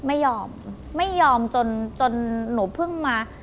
ไม่ยอมไม่ยอมจนจนหนูเพิ่งมา